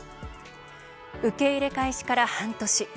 受け入れ開始から半年。